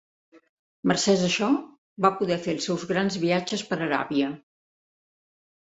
Mercès a això va poder fer els seus grans viatges per Aràbia.